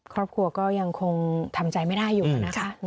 ครอบครัวก็ยังคงทำใจไม่ได้อยู่นะคะ